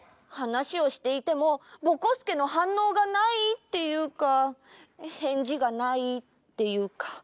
話をしていてもぼこすけのはんのうがないっていうかへんじがないっていうか。